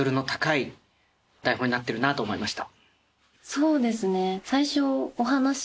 そうですね。